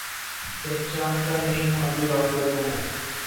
پہچانتا نہیں ہوں ابھی راہبر کو میں